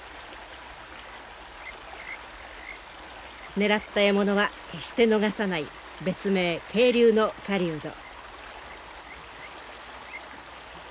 狙った獲物は決して逃さない別名渓流の狩人。